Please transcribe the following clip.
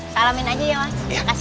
salamin aja ya mas